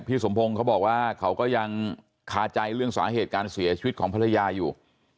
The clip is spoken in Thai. สมพงศ์เขาบอกว่าเขาก็ยังคาใจเรื่องสาเหตุการเสียชีวิตของภรรยาอยู่